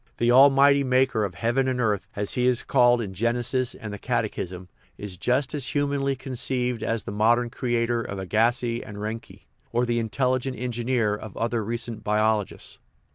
The " all mighty maker of heaven and earth," as he is called in Genesis and the Catechism, is just as humanly con ceived as the modern creator of Agassiz and Reinke, or the intelligent "engineer" of other recent biologists.